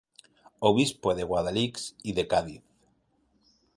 Obispo de Guadix y de Cádiz.